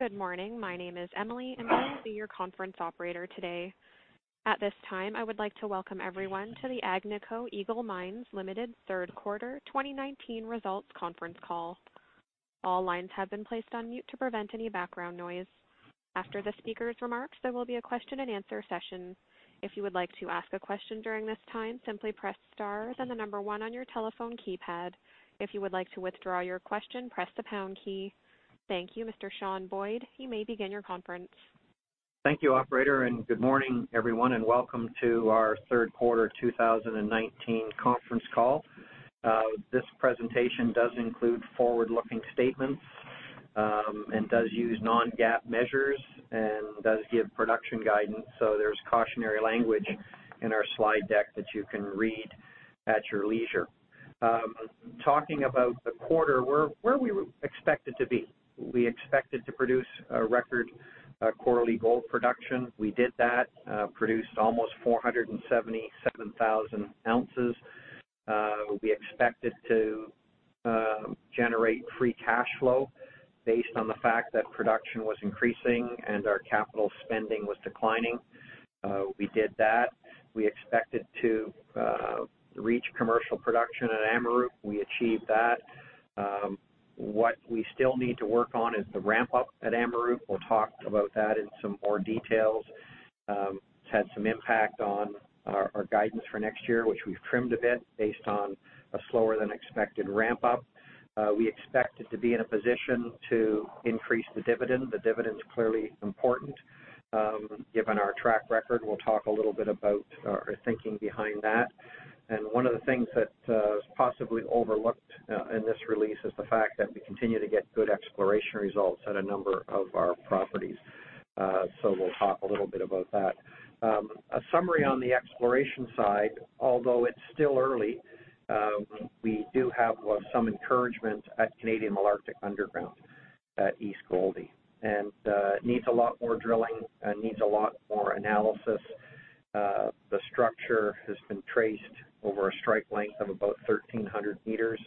Good morning. My name is Emily, and I will be your conference operator today. At this time, I would like to welcome everyone to the Agnico Eagle Mines Limited Third Quarter 2019 Results Conference Call. All lines have been placed on mute to prevent any background noise. After the speakers' remarks, there will be a question and answer session. If you would like to ask a question during this time, simply press star then the number one on your telephone keypad. If you would like to withdraw your question, press the pound key. Thank you, Mr. Sean Boyd. You may begin your conference. Thank you, operator. Good morning, everyone, and welcome to our third quarter 2019 conference call. This presentation does include forward-looking statements, and does use non-GAAP measures, and does give production guidance, so there's cautionary language in our slide deck that you can read at your leisure. Talking about the quarter, where we were expected to be, we expected to produce a record quarterly gold production. We did that, produced almost 477,000 ounces. We expected to generate free cash flow based on the fact that production was increasing and our capital spending was declining. We did that. We expected to reach commercial production at Amaruq. We achieved that. What we still need to work on is the ramp up at Amaruq. We'll talk about that in some more details. It's had some impact on our guidance for next year, which we've trimmed a bit based on a slower than expected ramp up. We expected to be in a position to increase the dividend. The dividend's clearly important, given our track record. We'll talk a little bit about our thinking behind that. One of the things that is possibly overlooked in this release is the fact that we continue to get good exploration results at a number of our properties. We'll talk a little bit about that. A summary on the exploration side, although it's still early, we do have some encouragement at Canadian Malartic Underground at East Goldie, needs a lot more drilling and needs a lot more analysis. The structure has been traced over a strike length of about 1,300 meters.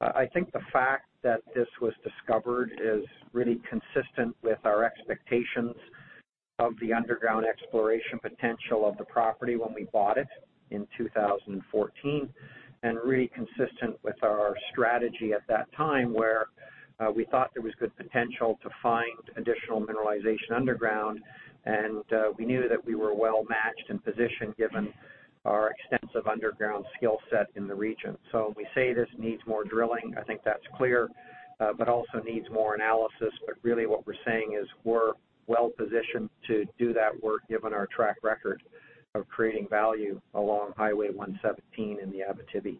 I think the fact that this was discovered is really consistent with our expectations of the underground exploration potential of the property when we bought it in 2014, and really consistent with our strategy at that time, where we thought there was good potential to find additional mineralization underground, and we knew that we were well matched in position given our extensive underground skill set in the region. When we say this needs more drilling, I think that's clear, but also needs more analysis. Really what we're saying is we're well-positioned to do that work given our track record of creating value along Highway 117 in the Abitibi.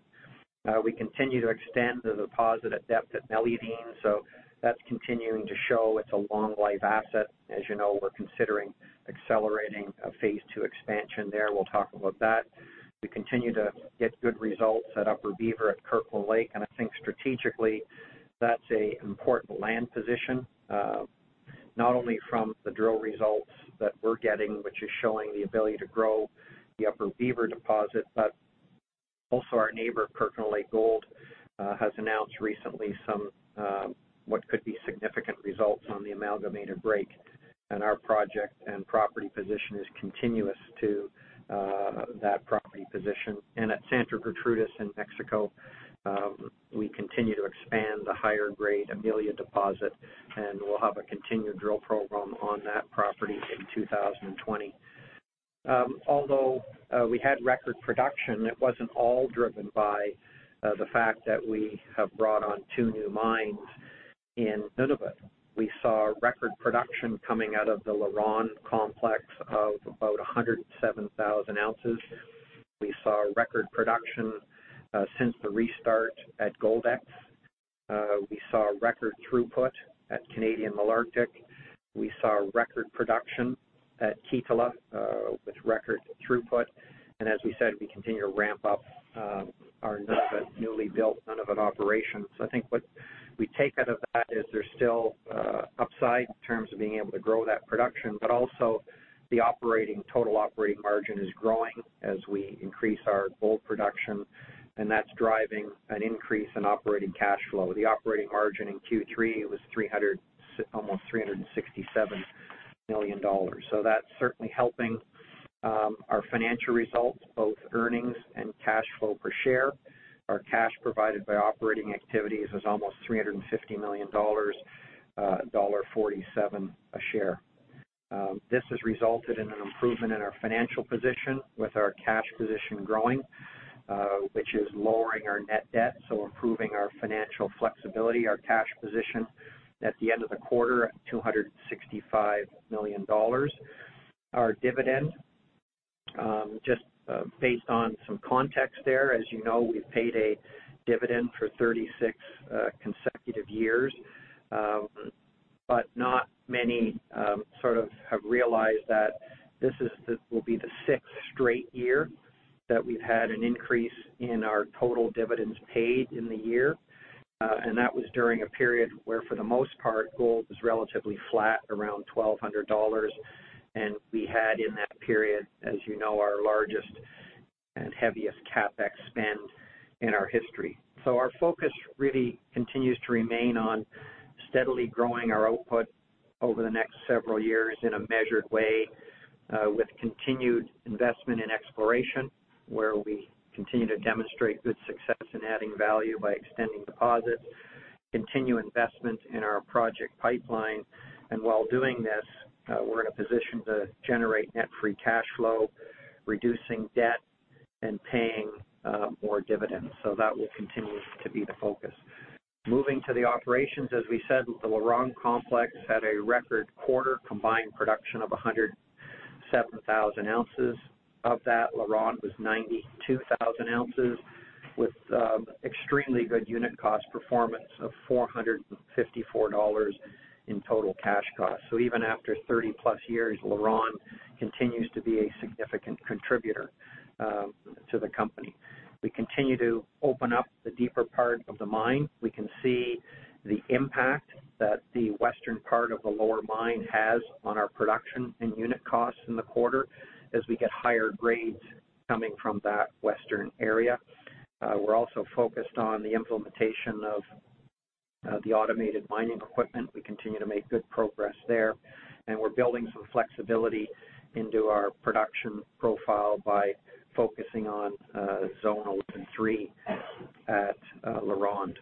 We continue to extend the deposit at depth at Meliadine, so that's continuing to show it's a long-life asset. As you know, we're considering accelerating a phase two expansion there. We'll talk about that. We continue to get good results at Upper Beaver at Kirkland Lake. I think strategically that's an important land position, not only from the drill results that we're getting, which is showing the ability to grow the Upper Beaver deposit, but also our neighbor, Kirkland Lake Gold, has announced recently some what could be significant results on the Amalgamated Break, and our project and property position is continuous to that property position. At Santa Gertrudis in Mexico, we continue to expand the higher grade Amelia deposit, and we'll have a continued drill program on that property in 2020. Although we had record production, it wasn't all driven by the fact that we have brought on two new mines in Nunavut. We saw record production coming out of the LaRonde complex of about 107,000 ounces. We saw record production since the restart at Goldex. We saw record throughput at Canadian Malartic. We saw record production at Kittilä, with record throughput. As we said, we continue to ramp up our Nunavut newly built Nunavut operations. I think what we take out of that is there's still upside in terms of being able to grow that production, but also the total operating margin is growing as we increase our gold production, and that's driving an increase in operating cash flow. The operating margin in Q3 was almost 367 million dollars. That's certainly helping our financial results, both earnings and cash flow per share. Our cash provided by operating activities was almost 350 million dollars, dollar 1.47 a share. This has resulted in an improvement in our financial position with our cash position growing, which is lowering our net debt, so improving our financial flexibility, our cash position at the end of the quarter at 265 million dollars. Our dividend, just based on some context there, as you know, we've paid a dividend for 36 consecutive years. Not many sort of have realized that this will be the sixth straight year that we've had an increase in our total dividends paid in the year. That was during a period where for the most part, gold was relatively flat around $1,200. We had in that period, as you know, our largest and heaviest CapEx spend in our history. Our focus really continues to remain on steadily growing our output over the next several years in a measured way, with continued investment in exploration, where we continue to demonstrate good success in adding value by extending deposits, continue investment in our project pipeline, and while doing this, we're in a position to generate net free cash flow, reducing debt, and paying more dividends. That will continue to be the focus. Moving to the operations, as we said, the LaRonde complex had a record quarter combined production of 107,000 ounces. Of that, LaRonde was 92,000 ounces with extremely good unit cost performance of $454 in total cash cost. Even after 30-plus years, LaRonde continues to be a significant contributor to the company. We continue to open up the deeper part of the mine. We can see the impact that the western part of the lower mine has on our production and unit costs in the quarter as we get higher grades coming from that western area. We're also focused on the implementation of the automated mining equipment. We continue to make good progress there, and we're building some flexibility into our production profile by focusing on Zone 113 at LaRonde.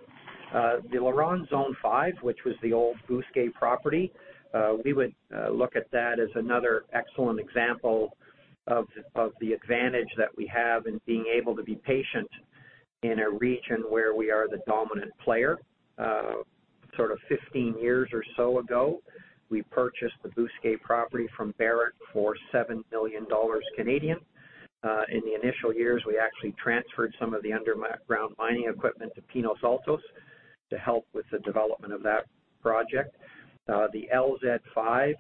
The LaRonde Zone 5, which was the old Bousquet property, we would look at that as another excellent example of the advantage that we have in being able to be patient in a region where we are the dominant player. 15 years or so ago, we purchased the Bousquet property from Barrick for 7 million Canadian dollars. In the initial years, we actually transferred some of the underground mining equipment to Pinos Altos to help with the development of that project. The LZ5,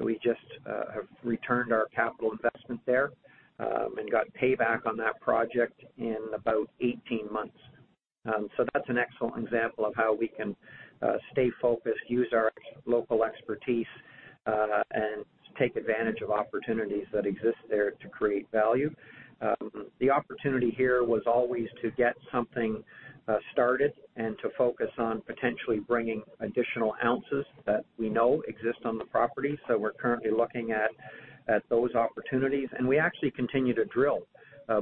we just have returned our capital investment there, and got payback on that project in about 18 months. That's an excellent example of how we can stay focused, use our local expertise, and take advantage of opportunities that exist there to create value. The opportunity here was always to get something started and to focus on potentially bringing additional ounces that we know exist on the property. We're currently looking at those opportunities, and we actually continue to drill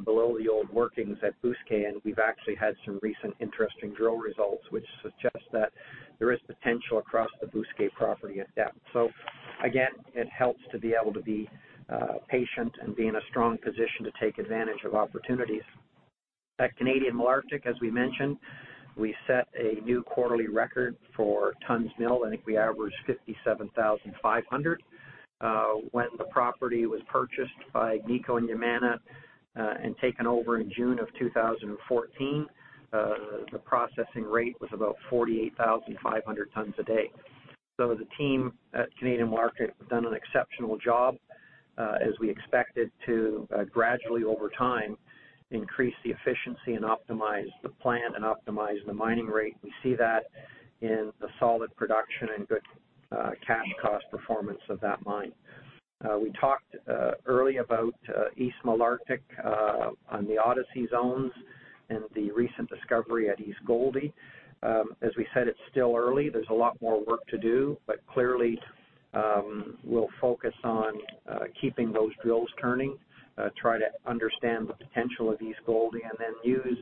below the old workings at Bousquet, and we've actually had some recent interesting drill results, which suggest that there is potential across the Bousquet property at depth. Again, it helps to be able to be patient and be in a strong position to take advantage of opportunities. At Canadian Malartic, as we mentioned, we set a new quarterly record for tonnes mill. I think we averaged 57,500. When the property was purchased by Agnico Eagle and Yamana and taken over in June of 2014, the processing rate was about 48,500 tonnes a day. The team at Canadian Malartic have done an exceptional job, as we expected to gradually, over time, increase the efficiency and optimize the plant and optimize the mining rate. We see that in the solid production and good cash cost performance of that mine. We talked early about East Malartic on the Odyssey zones and the recent discovery at East Goldie. As we said, it's still early. Clearly, we'll focus on keeping those drills turning, try to understand the potential of East Goldie, and then use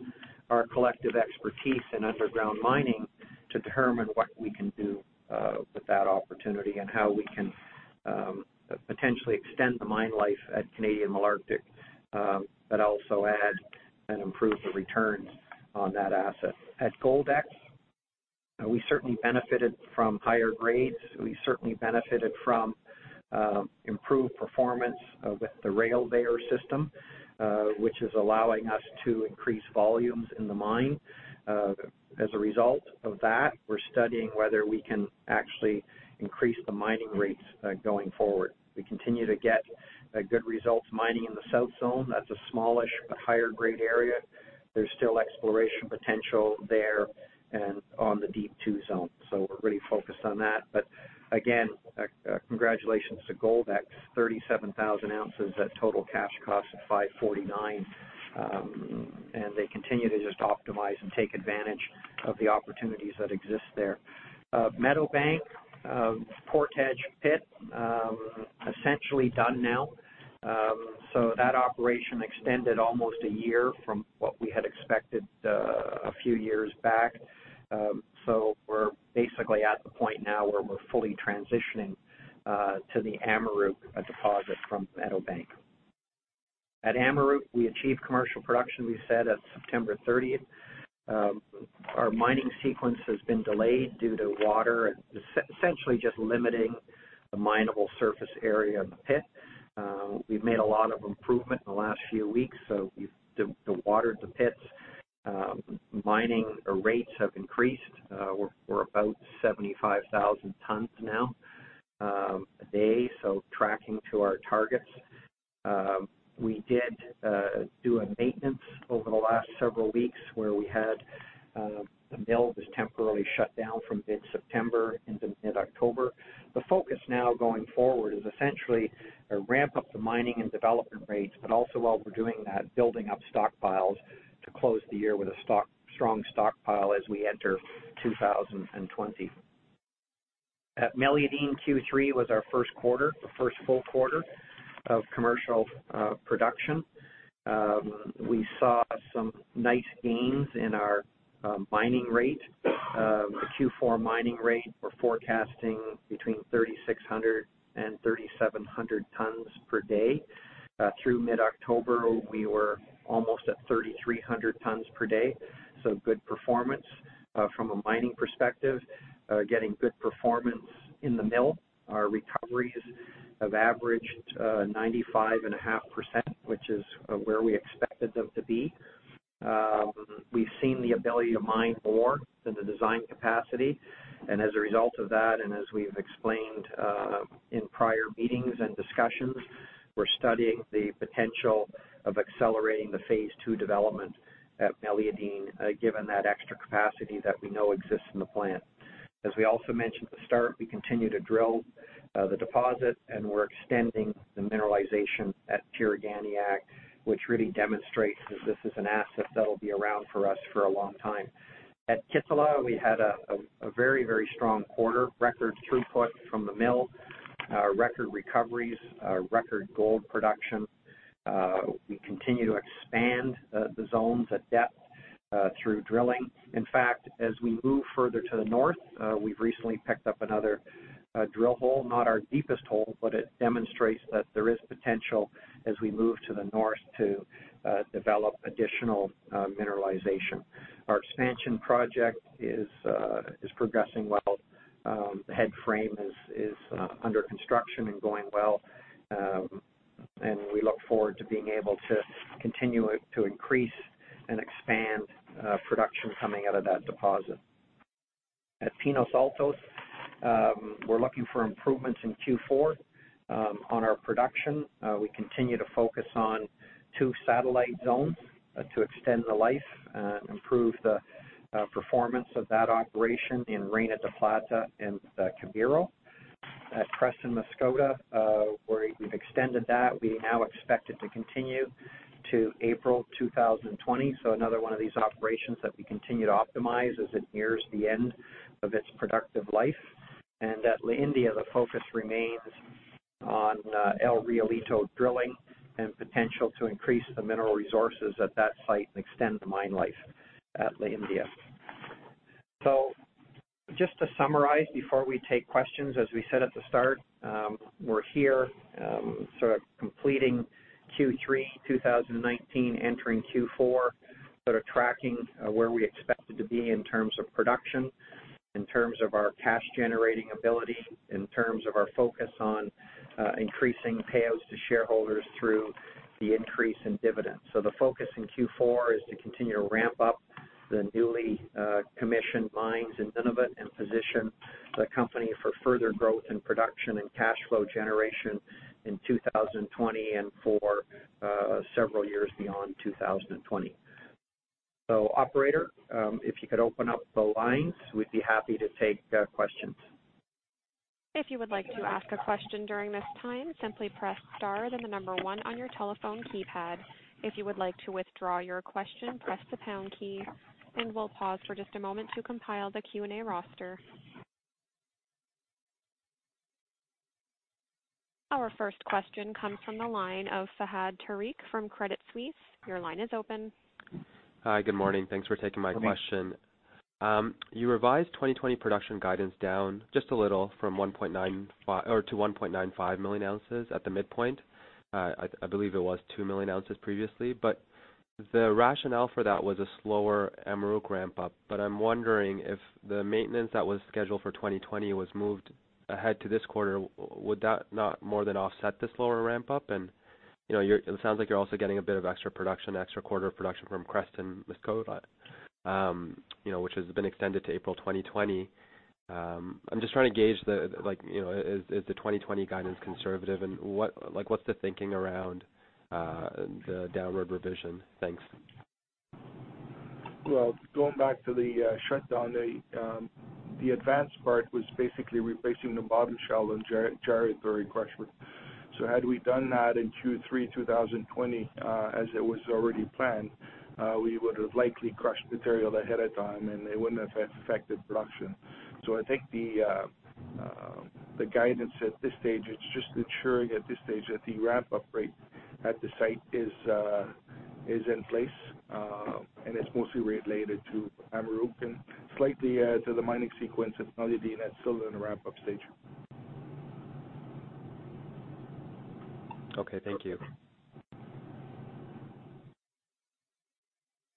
our collective expertise in underground mining to determine what we can do with that opportunity and how we can potentially extend the mine life at Canadian Malartic, but also add and improve the returns on that asset. At Goldex, we certainly benefited from higher grades. We certainly benefited from improved performance with the rail conveyor system, which is allowing us to increase volumes in the mine. As a result of that, we're studying whether we can actually increase the mining rates going forward. We continue to get good results mining in the South Zone. That's a smallish, but higher grade area. There's still exploration potential there and on the Deep 2 Zone. We're really focused on that. Again, congratulations to Goldex, 37,000 ounces at total cash cost of 549, and they continue to just optimize and take advantage of the opportunities that exist there. Meadowbank, Portage Pit, essentially done now. That operation extended almost a year from what we had expected a few years back. We're basically at the point now where we're fully transitioning to the Amaruq deposit from Meadowbank. At Amaruq, we achieved commercial production, we said, at September 30th. Our mining sequence has been delayed due to water, essentially just limiting the mineable surface area of the pit. We've made a lot of improvement in the last few weeks. The water at the pits, mining rates have increased. We're about 75,000 tonnes now a day, tracking to our targets. We did do a maintenance over the last several weeks where the mill was temporarily shut down from mid-September into mid-October. The focus now going forward is essentially a ramp up the mining and development rates, also while we're doing that, building up stockpiles to close the year with a strong stockpile as we enter 2020. At Meliadine, Q3 was our first full quarter of commercial production. We saw some nice gains in our mining rate. The Q4 mining rate, we're forecasting between 3,600 and 3,700 tons per day. Through mid-October, we were almost at 3,300 tons per day, so good performance from a mining perspective, getting good performance in the mill. Our recoveries have averaged 95.5%, which is where we expected them to be. We've seen the ability to mine more than the design capacity, and as a result of that, and as we've explained in prior meetings and discussions, we're studying the potential of accelerating the phase 2 development at Meliadine, given that extra capacity that we know exists in the plant. As we also mentioned at the start, we continue to drill the deposit and we're extending the mineralization at Tiriganiaq, which really demonstrates that this is an asset that'll be around for us for a long time. At Kittilä, we had a very strong quarter, record throughput from the mill, record recoveries, record gold production. We continue to expand the zones at depth through drilling. As we move further to the north, we've recently picked up another drill hole, not our deepest hole, but it demonstrates that there is potential as we move to the north to develop additional mineralization. Our expansion project is progressing well. The headframe is under construction and going well, we look forward to being able to continue to increase and expand production coming out of that deposit. At Pinos Altos, we're looking for improvements in Q4 on our production. We continue to focus on two satellite zones to extend the life and improve the performance of that operation in Reina de Plata and Cubiro. At Creston-Mascota, we've extended that. We now expect it to continue to April 2020. Another one of these operations that we continue to optimize as it nears the end of its productive life. At La India, the focus remains on El Realito drilling and potential to increase the mineral resources at that site and extend the mine life at La India. Just to summarize before we take questions, as we said at the start, we're here sort of completing Q3 2019, entering Q4, sort of tracking where we expected to be in terms of production, in terms of our cash generating ability, in terms of our focus on increasing payouts to shareholders through the increase in dividends. The focus in Q4 is to continue to ramp up the newly commissioned mines in Nunavut and position the company for further growth in production and cash flow generation in 2020 and for several years beyond 2020. Operator, if you could open up the lines, we'd be happy to take questions. If you would like to ask a question during this time, simply press star, then the number one on your telephone keypad. If you would like to withdraw your question, press the pound key. We'll pause for just a moment to compile the Q&A roster. Our first question comes from the line of Fahad Tariq from Credit Suisse. Your line is open. Hi, good morning. Thanks for taking my question. Good morning. You revised 2020 production guidance down just a little to 1.95 million ounces at the midpoint. I believe it was 2 million ounces previously, the rationale for that was a slower Amaruq ramp up. I'm wondering if the maintenance that was scheduled for 2020 was moved ahead to this quarter, would that not more than offset the slower ramp up? It sounds like you're also getting a bit of extra quarter production from Creston-Mascota, which has been extended to April 2020. I'm just trying to gauge, is the 2020 guidance conservative, and what's the thinking around the downward revision? Thanks. Going back to the shutdown, the advanced part was basically replacing the bottom shell and gyratory crusher. Had we done that in Q3 2020, as it was already planned, we would have likely crushed material ahead of time, and it wouldn't have affected production. I think the guidance at this stage, it's just ensuring at this stage that the ramp up rate at the site is in place, and it's mostly related to Amaruq and slightly to the mining sequence at Meliadine that's still in the ramp up stage. Okay, thank you.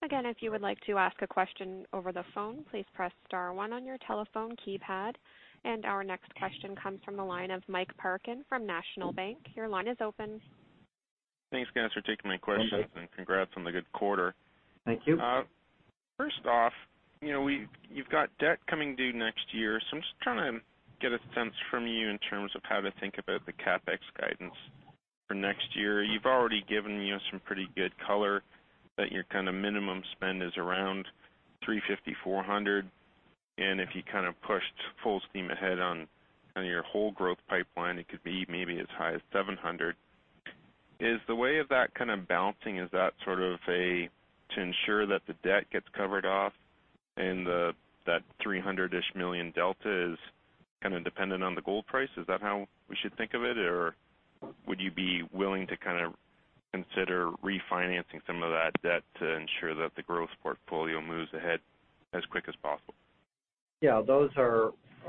Again, if you would like to ask a question over the phone, please press star one on your telephone keypad. Our next question comes from the line of Mike Parkin from National Bank. Your line is open. Thanks guys for taking my questions. Okay. Congrats on the good quarter. Thank you. First off, you've got debt coming due next year. I'm just trying to get a sense from you in terms of how to think about the CapEx guidance. For next year, you've already given me some pretty good color that your minimum spend is around 350 million, 400 million. If you pushed full steam ahead on your whole growth pipeline, it could be maybe as high as 700 million. Is the way of that balancing, is that to ensure that the debt gets covered off and that 300 million-ish delta is dependent on the gold price? Is that how we should think of it? Would you be willing to consider refinancing some of that debt to ensure that the growth portfolio moves ahead as quick as possible? Yeah.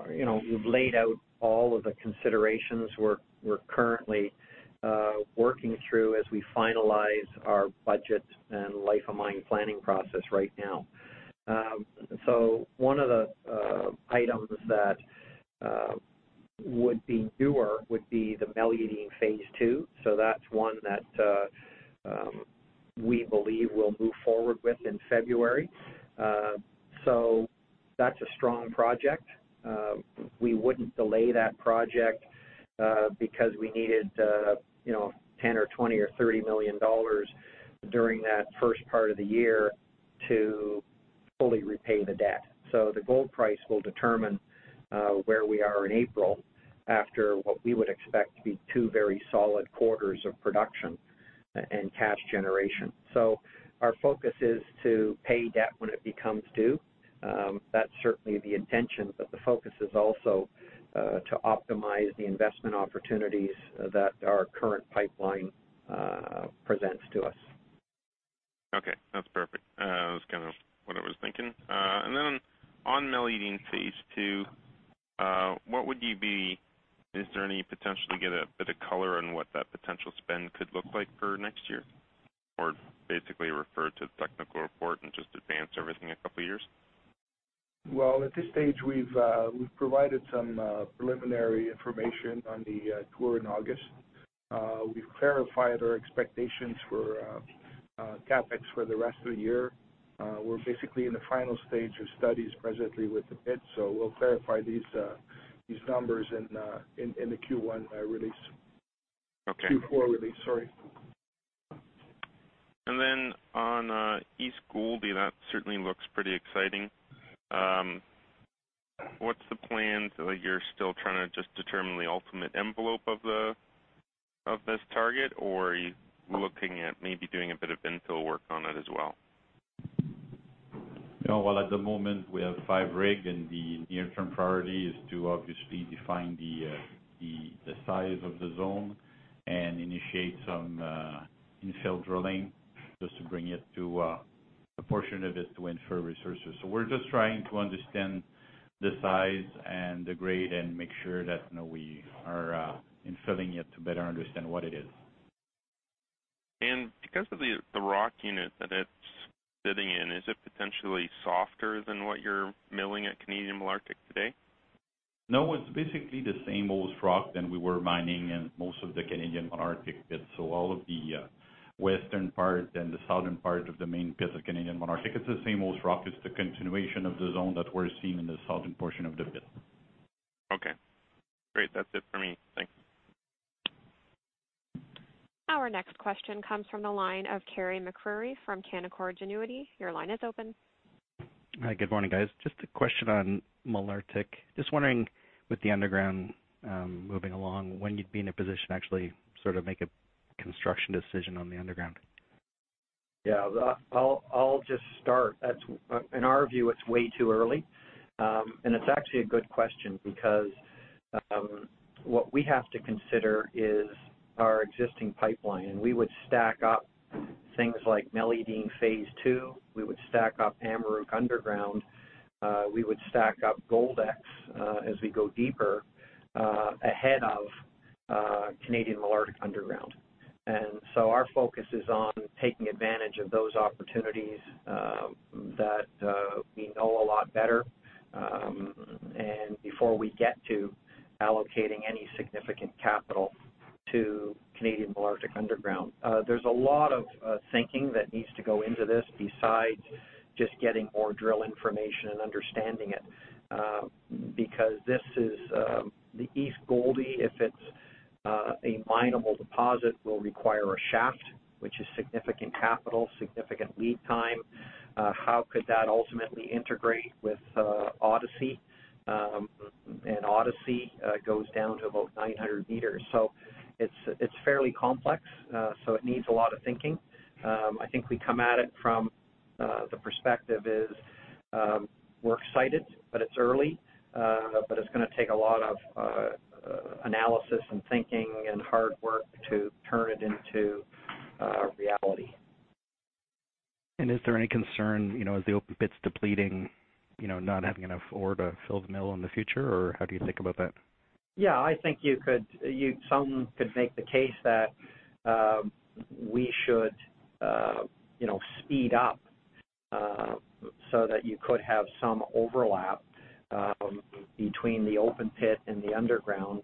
We've laid out all of the considerations we're currently working through as we finalize our budget and life of mine planning process right now. One of the items that would be newer would be the Meliadine Phase 2. That's one that we believe we'll move forward with in February. That's a strong project. We wouldn't delay that project because we needed 10 million or 20 million or 30 million dollars during that first part of the year to fully repay the debt. The gold price will determine where we are in April, after what we would expect to be two very solid quarters of production and cash generation. Our focus is to pay debt when it becomes due. That's certainly the intention, but the focus is also to optimize the investment opportunities that our current pipeline presents to us. Okay, that's perfect. That was what I was thinking. On Meliadine Phase 2, is there any potential to get a bit of color on what that potential spend could look like for next year? Or basically refer to the technical report and just advance everything a couple of years? Well, at this stage, we've provided some preliminary information on the tour in August. We've clarified our expectations for CapEx for the rest of the year. We're basically in the final stage of studies presently with the pit, we'll clarify these numbers in the Q1 release. Okay. Q4 release, sorry. On East Goldie, that certainly looks pretty exciting. What's the plan? You're still trying to just determine the ultimate envelope of this target, or are you looking at maybe doing a bit of infill work on it as well? Well, at the moment, we have five rig and the near-term priority is to obviously define the size of the zone and initiate some infill drilling just to bring a portion of it to inferred resources. We're just trying to understand the size and the grade and make sure that we are infilling it to better understand what it is. Because of the rock unit that it's sitting in, is it potentially softer than what you're milling at Canadian Malartic today? No, it's basically the same old rock than we were mining in most of the Canadian Malartic pit. All of the western part and the southern part of the main pit of Canadian Malartic, it's the same old rock. It's the continuation of the zone that we're seeing in the southern portion of the pit. Okay. Great. That's it for me. Thanks. Our next question comes from the line of Carey MacRury from Canaccord Genuity. Your line is open. Hi, good morning, guys. Just a question on Malartic, just wondering, with the underground moving along, when you'd be in a position to actually make a construction decision on the underground? Yeah. I'll just start. In our view, it's way too early. It's actually a good question because what we have to consider is our existing pipeline. We would stack up things like Meliadine phase II, we would stack up Amaruq underground, we would stack up Goldex as we go deeper, ahead of Canadian Malartic underground. Our focus is on taking advantage of those opportunities that we know a lot better and before we get to allocating any significant capital to Canadian Malartic underground. There's a lot of thinking that needs to go into this besides just getting more drill information and understanding it. The East Goldie, if it's a mineable deposit, will require a shaft, which is significant capital, significant lead time. How could that ultimately integrate with Odyssey? Odyssey goes down to about 900 meters. It's fairly complex, so it needs a lot of thinking. I think we come at it from the perspective is, we're excited, but it's early. It's going to take a lot of analysis and thinking and hard work to turn it into a reality. Is there any concern, as the open pit's depleting, not having enough ore to fill the mill in the future, or how do you think about that? Yeah. I think some could make the case that we should speed up so that you could have some overlap between the open pit and the underground.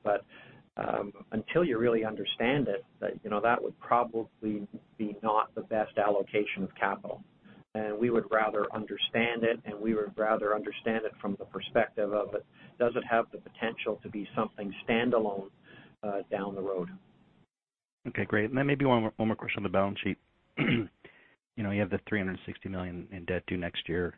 Until you really understand it, that would probably be not the best allocation of capital. We would rather understand it from the perspective of it, does it have the potential to be something standalone down the road? Okay, great. Maybe one more question on the balance sheet. You have the 360 million in debt due next year.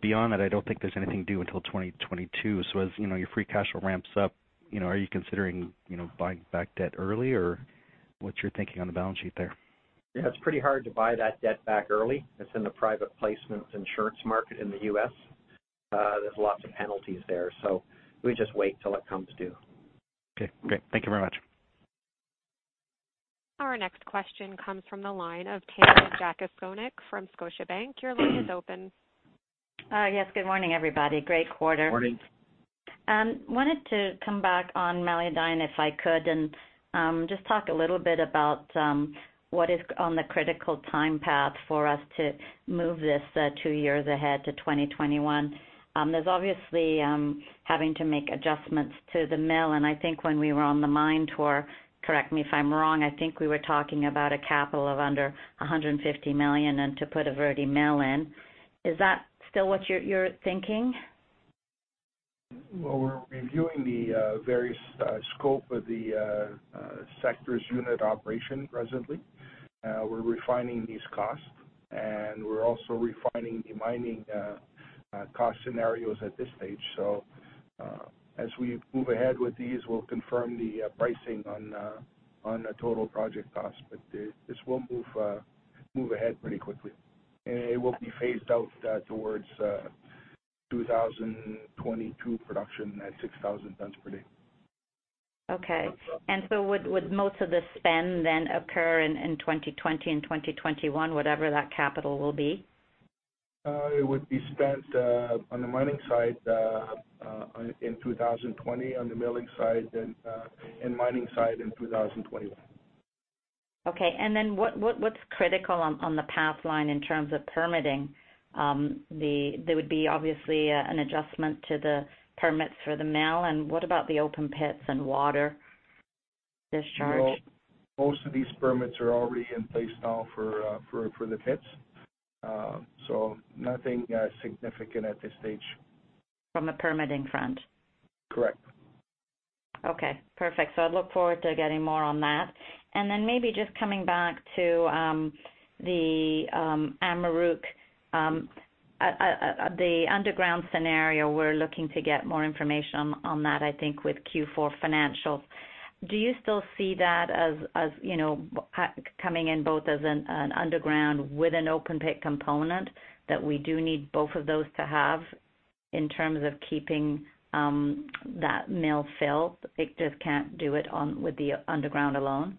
Beyond that, I don't think there's anything due until 2022. As your free cash flow ramps up, are you considering buying back debt early, or what's your thinking on the balance sheet there? Yeah, it's pretty hard to buy that debt back early. It's in the private placements insurance market in the U.S. There's lots of penalties there. We just wait till it comes due. Okay, great. Thank you very much. Our next question comes from the line of Tanya Jakusconek from Scotiabank. Your line is open. Yes, good morning, everybody. Great quarter. Morning. Wanted to come back on Meliadine, if I could, and just talk a little bit about what is on the critical time path for us to move this 2 years ahead to 2021. There's obviously having to make adjustments to the mill, and I think when we were on the mine tour, correct me if I'm wrong, I think we were talking about a capital of under 150 million and to put a Vertimill in. Is that still what you're thinking? Well, we're reviewing the various scope of the sectors unit operation presently. We're refining these costs, and we're also refining the mining cost scenarios at this stage. As we move ahead with these, we'll confirm the pricing on the total project cost. This will move ahead pretty quickly. It will be phased out towards 2022 production at 6,000 tons per day. Okay. Would most of the spend then occur in 2020 and 2021, whatever that capital will be? It would be spent on the mining side in 2020, on the milling side and mining side in 2021. Okay, what's critical on the path line in terms of permitting? There would be obviously an adjustment to the permits for the mill, and what about the open pits and water discharge? No, most of these permits are already in place now for the pits. Nothing significant at this stage. From a permitting front? Correct. Perfect. I look forward to getting more on that. Maybe just coming back to the Amaruq, the underground scenario, we're looking to get more information on that, I think, with Q4 financials. Do you still see that as coming in both as an underground with an open pit component, that we do need both of those to have in terms of keeping that mill filled, it just can't do it with the underground alone? Yeah,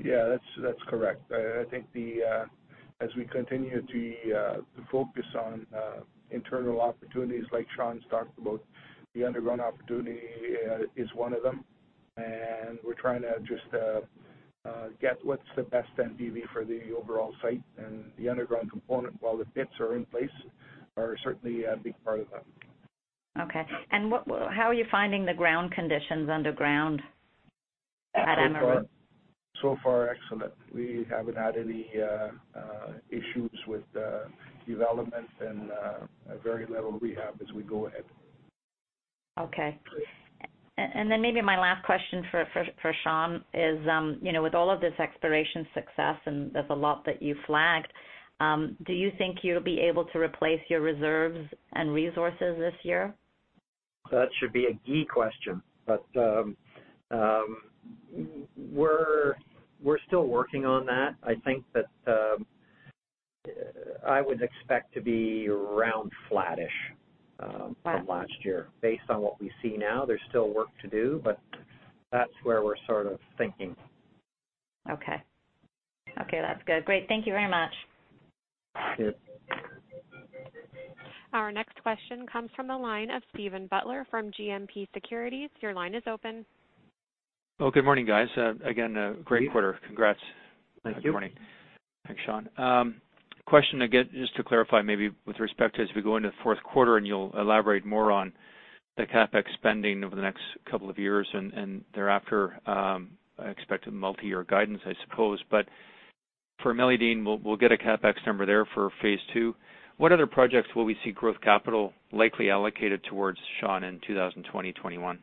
that's correct. I think as we continue to focus on internal opportunities like Sean's talked about, the underground opportunity is one of them, we're trying to just get what's the best NPV for the overall site. The underground component, while the pits are in place, are certainly a big part of that. Okay. How are you finding the ground conditions underground at Amaruq? So far, excellent. We haven't had any issues with development and a very little rehab as we go ahead. Okay. Maybe my last question for Sean is with all of this exploration success, and there's a lot that you flagged, do you think you'll be able to replace your reserves and resources this year? That should be a Guy question. We're still working on that. I think that I would expect to be around flattish from last year. Right. Based on what we see now, there's still work to do, but that's where we're sort of thinking. Okay. Okay, that's good. Great. Thank you very much. Thank you. Our next question comes from the line of Steven Butler from GMP Securities. Your line is open. Well, good morning, guys. Again, great quarter. Congrats. Thank you. Good morning. Thanks, Sean. Question, again, just to clarify, maybe with respect to as we go into the fourth quarter, you'll elaborate more on the CapEx spending over the next couple of years and thereafter, I expect a multi-year guidance, I suppose. For Meliadine, we'll get a CapEx number there for phase II. What other projects will we see growth capital likely allocated towards, Sean, in 2020, 2021?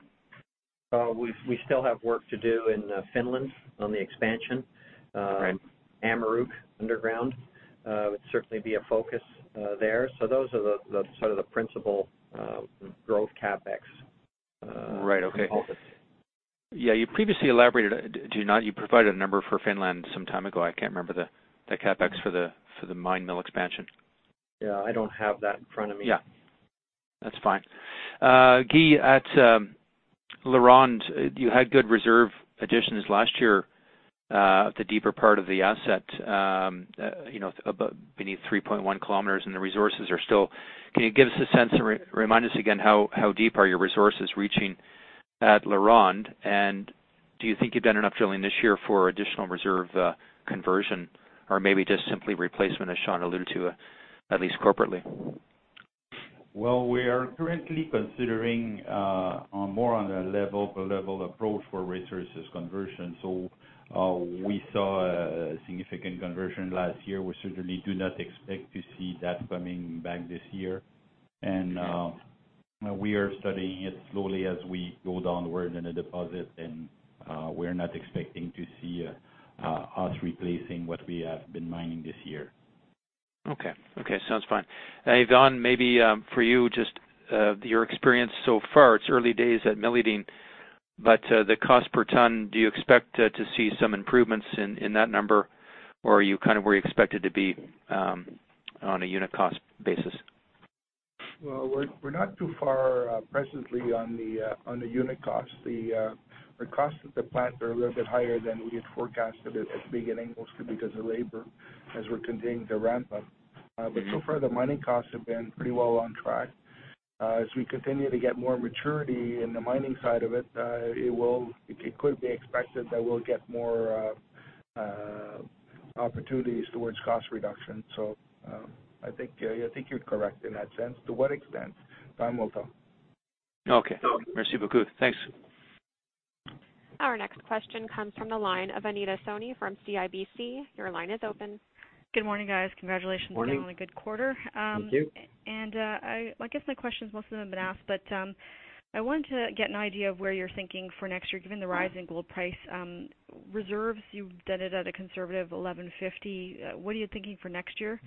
We still have work to do in Finland on the expansion. Right. Amaruq underground would certainly be a focus there. Those are the sort of the principal growth CapEx components. Right. Okay. Yeah, you previously elaborated, did you not? You provided a number for Finland some time ago. I can't remember the CapEx for the mine mill expansion. Yeah, I don't have that in front of me. Yeah. That's fine. Guy, at LaRonde, you had good reserve additions last year at the deeper part of the asset beneath 3.1 kilometers. Can you give us a sense, and remind us again, how deep are your resources reaching at LaRonde? Do you think you've done enough drilling this year for additional reserve conversion, or maybe just simply replacement, as Sean alluded to, at least corporately? Well, we are currently considering more on a level approach for resources conversion. We saw a significant conversion last year. We certainly do not expect to see that coming back this year. We are studying it slowly as we go downward in the deposit and we're not expecting to see us replacing what we have been mining this year. Okay. Sounds fine. Yvon, maybe for you, just your experience so far. It's early days at Meliadine, the cost per ton, do you expect to see some improvements in that number or are you kind of where you expected to be on a unit cost basis? Well, we're not too far presently on the unit cost. The costs at the plant are a little bit higher than we had forecasted at the beginning, mostly because of labor, as we're continuing to ramp up. So far, the mining costs have been pretty well on track. As we continue to get more maturity in the mining side of it could be expected that we'll get more opportunities towards cost reduction. I think you're correct in that sense. To what extent? Time will tell. Okay. Merci beaucoup. Thanks. Our next question comes from the line of Anita Soni from CIBC. Your line is open. Good morning, guys. Congratulations- Morning. again, on a good quarter. Thank you. I guess my questions, most of them have been asked, but I wanted to get an idea of where you're thinking for next year, given the rise in gold price. Reserves, you've done it at a conservative $1,150. What are you thinking for next year?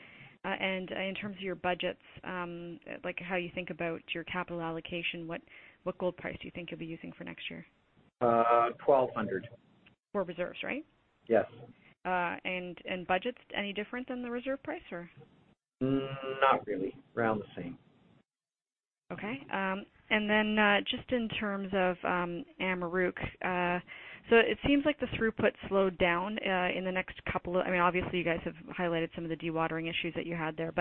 In terms of your budgets, how you think about your capital allocation, what gold price do you think you'll be using for next year? 1200. For reserves, right? Yes. Budgets, any different than the reserve price or? Not really. Around the same. Okay. Just in terms of Amaruq, it seems like the throughput slowed down. I mean, obviously you guys have highlighted some of the dewatering issues that you had there,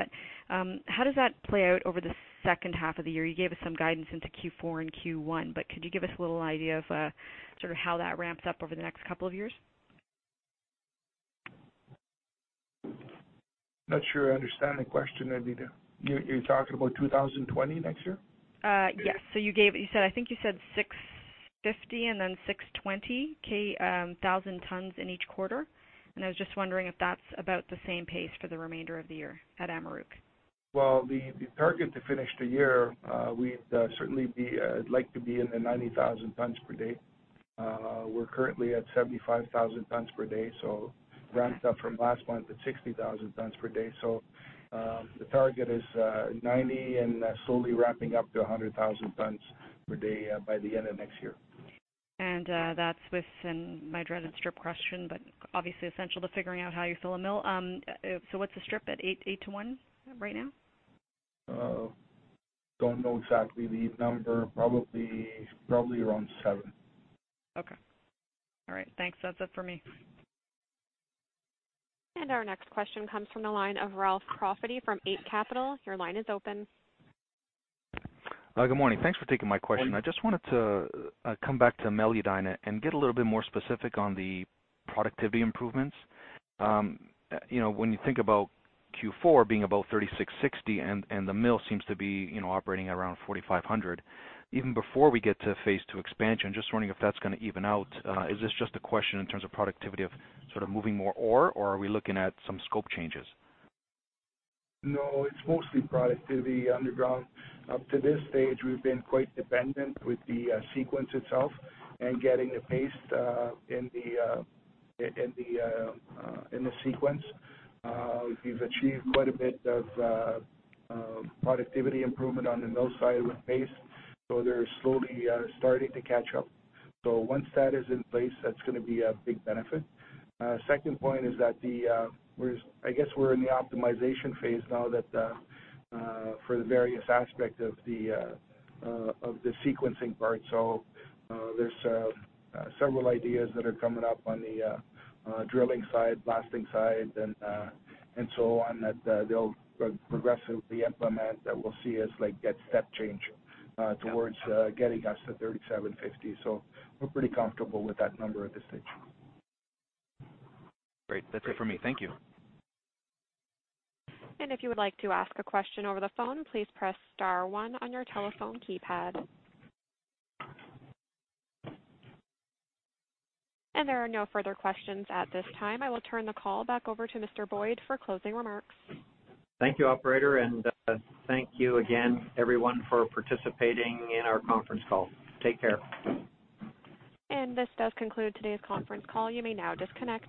how does that play out over the second half of the year? You gave us some guidance into Q4 and Q1, could you give us a little idea of sort of how that ramps up over the next couple of years? Not sure I understand the question, Anita. You're talking about 2020, next year? Yes. I think you said 650,000 and then 620,000 tons in each quarter, and I was just wondering if that's about the same pace for the remainder of the year at Amaruq. The target to finish the year, we'd certainly like to be in the 90,000 tons per day. We're currently at 75,000 tons per day, ramped up from last month at 60,000 tons per day. The target is 90 and slowly ramping up to 100,000 tons per day by the end of next year. My dreaded strip question, but obviously essential to figuring out how you fill a mill. What's the strip at 8:1 right now? Don't know exactly the number. Probably around seven. Okay. All right, thanks. That's it for me. Our next question comes from the line of Ralph Profiti from Eight Capital. Your line is open. Good morning. Thanks for taking my question. Morning. I just wanted to come back to Meliadine and get a little bit more specific on the productivity improvements. When you think about Q4 being about 3,660 and the mill seems to be operating around 4,500, even before we get to phase II expansion, just wondering if that's going to even out. Is this just a question in terms of productivity of sort of moving more ore, or are we looking at some scope changes? No, it's mostly productivity underground. Up to this stage, we've been quite dependent with the sequence itself and getting the pace in the sequence. We've achieved quite a bit of productivity improvement on the mill side with pace, they're slowly starting to catch up. Once that is in place, that's going to be a big benefit. Second point is that I guess we're in the optimization phase now for the various aspect of the sequencing part. There's several ideas that are coming up on the drilling side, blasting side, and so on, that they'll progressively implement that we'll see as get step change towards getting us to 3,750. We're pretty comfortable with that number at this stage. Great. That's it for me. Thank you. If you would like to ask a question over the phone, please press star 1 on your telephone keypad. There are no further questions at this time. I will turn the call back over to Mr. Boyd for closing remarks. Thank you, operator. Thank you again, everyone, for participating in our conference call. Take care. This does conclude today's conference call. You may now disconnect.